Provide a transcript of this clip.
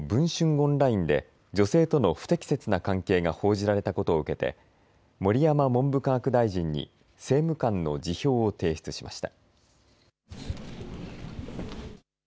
オンラインで女性との不適切な関係が報じられたことを受けて盛山文部科学大臣に政務官の辞表を提出しました。